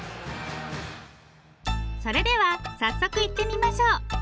それでは早速行ってみましょう。